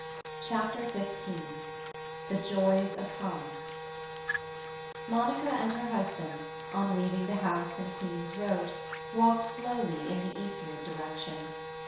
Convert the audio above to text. CHAPTER XV THE JOYS OF HOME Monica and her husband, on leaving the house in Queen's Road, walked slowly in the eastward direction.